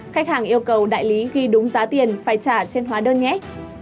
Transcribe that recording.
khách hàng yêu cầu đại lý ghi đúng giá tiền phải trả trên hóa đơn nhé